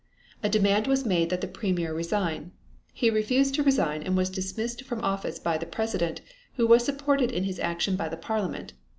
A demand was made that the Premier resign. He refused to resign and was dismissed from office by the President, who was supported in his action by the Parliament.